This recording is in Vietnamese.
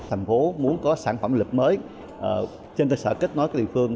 thành phố muốn có sản phẩm lực mới trên cơ sở kết nối với địa phương